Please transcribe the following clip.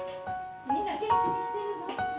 みんな元気にしてるの？